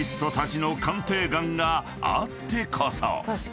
［あってこそ］